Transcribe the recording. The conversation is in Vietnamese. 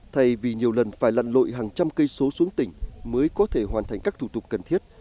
thay vì nhiều lần phải lặn lội hàng trăm cây số xuống tỉnh mới có thể hoàn thành các thủ tục cần thiết